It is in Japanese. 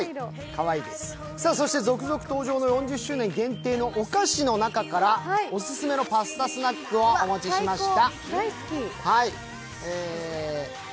続々登場の４０周年限定のお菓子の中からオススメのパスタスナックをお持ちしました。